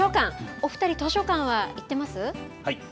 お２人、図書館は行っています。